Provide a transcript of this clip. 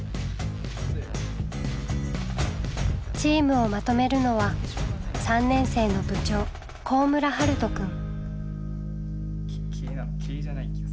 チームをまとめるのは３年生の部長幸村遥都くん。